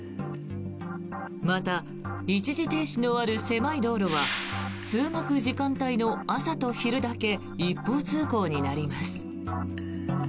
また、一時停止のある狭い道路は通学時間帯の朝と昼だけ一方通行になります。